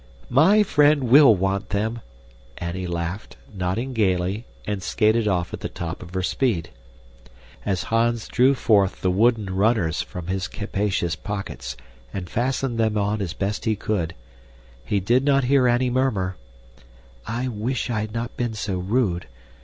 "My friend WILL want them," Annie laughed, nodding gaily, and skated off at the top of her speed. As Hans drew forth the wooden "runners" from his capricious pockets and fastened them on as best he could, he did not hear Annie murmur, "I wish I had not been so rude.